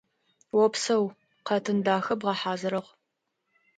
Опсэу, къэтын дахэ бгъэхьазырыгъ.